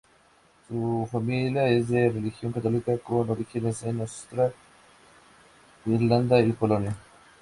Su familia es de religión católica, con orígenes en Austria, Irlanda y Polonia.